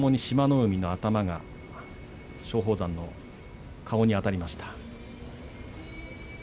海の頭が松鳳山の顔にあたりました。